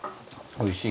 おいしい。